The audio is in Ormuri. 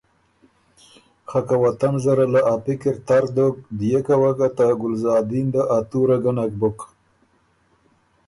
خه که وطن زره له ا پِکِر تر دوک ديېکه وه که ته ګلزادین ده ا تُوره ګه نک بُک۔